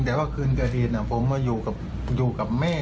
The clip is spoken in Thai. แต่ว่าคืนเกิดเหตุผมมาอยู่กับแม่